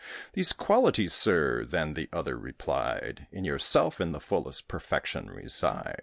'These qualities, sir,' then the other replied, 'In yourself, in the fullest perfection, reside.'